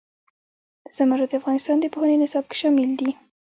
زمرد د افغانستان د پوهنې نصاب کې شامل دي.